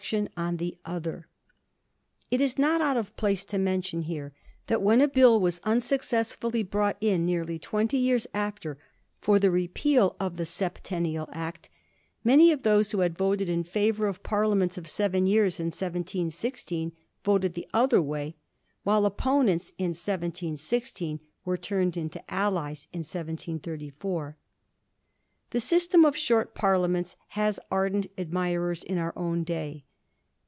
tion on the other/ It is not out of place to mention here that when a Bill was unsuccessfully brought in nearly twenty years after for the Repeal of the Sept ennial Act, many of those who had voted in favour of parliaments of seven years in 1716 voted the other way, while opponents in 1716 were turned into aUies in 1734. The system of short parliaments has ardent ad mirers in our own day.